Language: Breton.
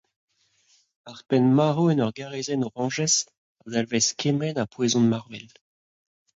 Ar penn-marv en ur garrezenn orañjez a dalvez kement ha poezon marvel.